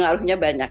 itu adalah kebanyakan